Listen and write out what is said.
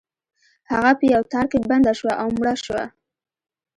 هغه په یو تار کې بنده شوه او مړه شوه.